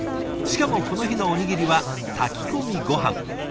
しかもこの日のおにぎりは炊き込みごはん。